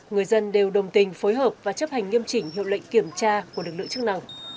người dân đều đồng tình phối hợp và chấp hành nghiêm chỉnh hiệu lệnh kiểm tra của lực lượng chức năng